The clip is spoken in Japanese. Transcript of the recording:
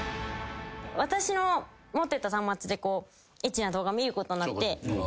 私の持ってた端末でエッチな動画見ることになってエロ動画を見たんですよ。